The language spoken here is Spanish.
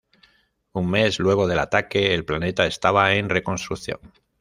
Un mes luego del ataque, el planeta estaba en reconstrucción.